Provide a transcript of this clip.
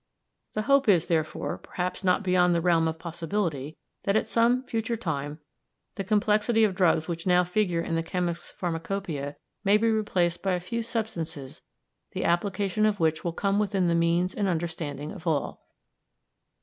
The hope is, therefore, perhaps not beyond the realm of possibility, that at some future time the complexity of drugs which now figure in the chemists' pharmacopoeia may be replaced by a few substances the application of which will come within the means and understanding of all.